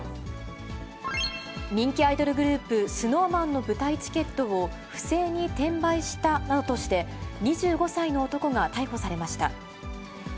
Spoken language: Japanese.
人気アイドルグループ、ＳｎｏｗＭａｎの舞台チケットを不正に転売したなどとして、２５歳の男が逮捕されました。